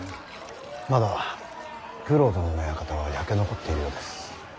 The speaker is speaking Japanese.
まだ九郎殿の館は焼け残っているようです。